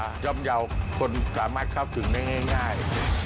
ก็เป็นราคาย่อมยาวคนสามารถเข้าถึงได้ง่าย